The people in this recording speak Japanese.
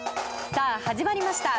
さあ始まりました